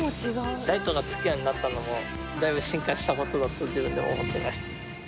ライトがつくようになったのもだいぶ進化した事だと自分でも思っています。